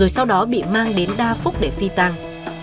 sau đó bị mang đến đa phúc để phi tăng